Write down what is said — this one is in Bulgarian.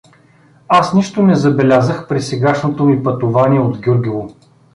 Аз нищо не забелязах при сегашното ми пътувание от Гюргево.